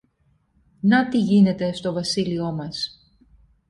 Να τι γίνεται στο βασίλειο μας!